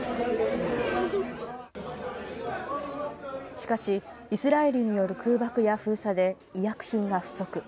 しかし、イスラエルによる空爆や封鎖で医薬品が不足。